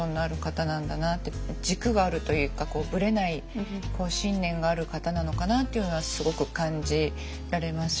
軸があるというかぶれない信念がある方なのかなっていうのはすごく感じられます。